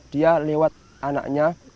dia lewat anaknya